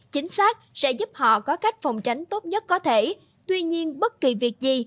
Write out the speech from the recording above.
chính xác sẽ giúp họ có cách phòng tránh tốt nhất có thể tuy nhiên bất kỳ việc gì